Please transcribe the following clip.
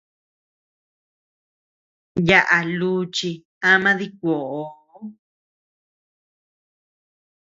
Yaʼa luchi ama dikuoʼoo.